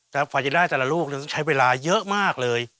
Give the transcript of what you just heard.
แต่กว่าจะได้แต่ละลูกต้องใช้เวลาเยอะมากเลย